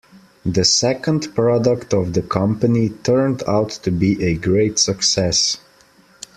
The second product of the company turned out to be a great success.